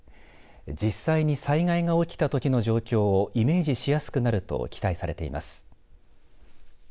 実際に災害が起きたときの状況をイメージしやすくなると期待されています。